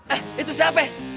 eh itu siapa ya